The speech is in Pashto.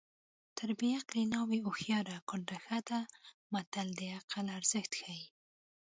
تر بې عقلې ناوې هوښیاره کونډه ښه ده متل د عقل ارزښت ښيي